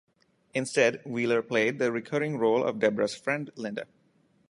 Instead, Wheeler played the recurring role of Debra's friend, Linda.